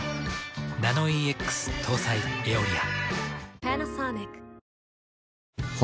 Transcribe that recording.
ナノイーＸ搭載「エオリア」。